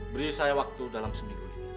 beri saya waktu dalam seminggu ini